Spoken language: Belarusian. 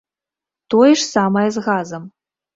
Тое ж самае з газам.